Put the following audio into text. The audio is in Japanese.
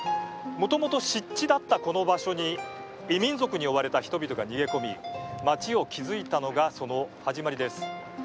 もともと湿地だった、この場所に異民族に追われた人々が逃げ込み街を築いたのが、その始まりです。